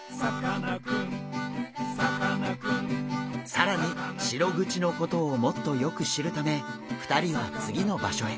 更にシログチのことをもっとよく知るため２人は次の場所へ。